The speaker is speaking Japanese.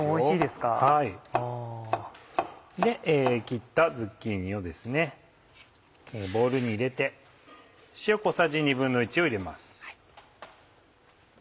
切ったズッキーニをボウルに入れて塩小さじ１／２を入れます。